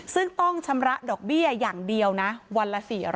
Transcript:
ซึ่งต้องชำระดอกเบี้ยอย่างเดียวนะวันละ๔๐๐